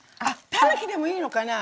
たぬきでもいいのかな？